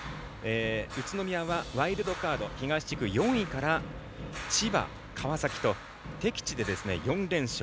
宇都宮はワイルドカード東地区４位から千葉、川崎と敵地で４連勝。